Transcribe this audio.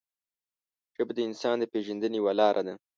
ژبه د انسان د پېژندنې یوه لاره ده